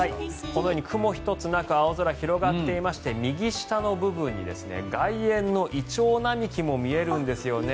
このように雲一つなく青空が広がっていまして右下の部分に外苑のイチョウ並木も見えるんですよね。